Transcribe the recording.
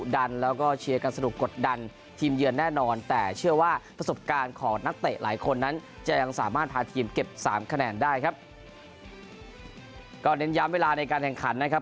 ก็เน้นย้ำเวลาในการแข่งขันนะครับ